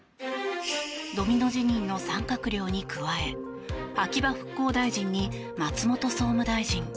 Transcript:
ドミノ辞任の３閣僚に加え秋葉復興大臣に松本総務大臣。